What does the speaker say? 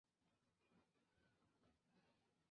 纽约市中央公园的以这首歌命名。